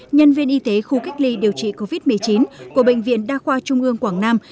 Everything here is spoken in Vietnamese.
nhân viên y tế khu cách ly điều trị covid một mươi chín của bệnh viện đa khoa trung ương quảng nam